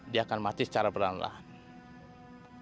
dia akan mati secara beranlahan